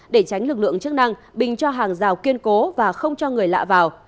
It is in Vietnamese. để tránh lực lượng chức năng bình cho hàng rào kiên cố và không cho người lạ vào